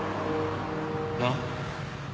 なっ？